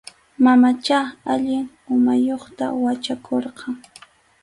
Mamanchá allin umayuqta wachakurqan.